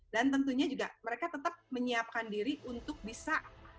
tentunya juga mereka tetap menyiapkan diri untuk bisa